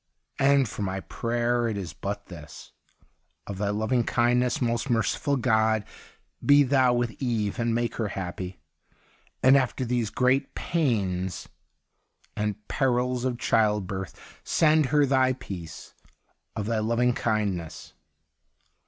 And for my prayer, it is but this : of Thy loving kindness, most merciful God, be Thou with Eve and make her happy ; and after these great pains and perils of childbirth send her Thy peace. Of Thy loving kind ness.